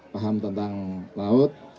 paham tentang laut